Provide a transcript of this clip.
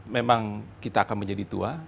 memang kita akan menjadi tua